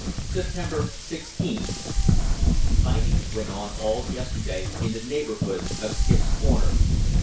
"Sept. 16. Fighting went on all yesterday in the neighbourhood of Skip's Corner.